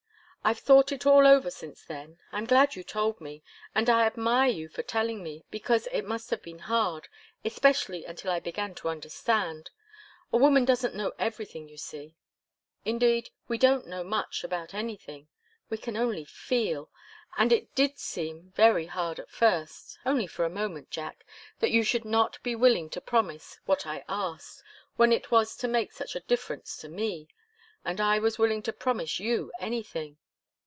I've thought it all over since then. I'm glad you told me, and I admire you for telling me, because it must have been hard, especially until I began to understand. A woman doesn't know everything, you see! Indeed, we don't know much about anything. We can only feel. And it did seem very hard at first only for a moment, Jack that you should not be willing to promise what I asked, when it was to make such a difference to me, and I was willing to promise you anything.